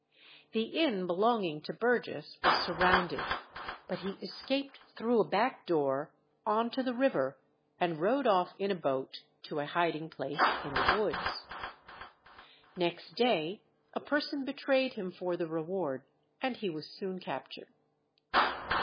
The inn belonging to Burgess was surrounded, but he escaped through a back door on to the river, and rowed off in a boat to a hiding place in the woods. Next day a person betrayed him for the reward, and he was soon captured.